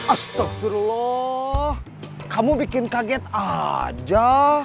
astagdullah kamu bikin kaget aja